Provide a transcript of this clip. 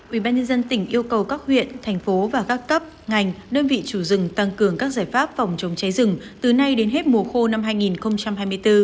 ubnd tỉnh yêu cầu các huyện thành phố và các cấp ngành đơn vị chủ rừng tăng cường các giải pháp phòng chống cháy rừng từ nay đến hết mùa khô năm hai nghìn hai mươi bốn